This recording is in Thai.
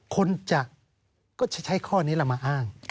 คนจะใช้ข้อนี้แล้วมาอ้าง